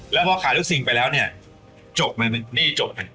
แล้วพอขายลูกซิงไปแล้วเนี่ยจบไหมนี่จบไหม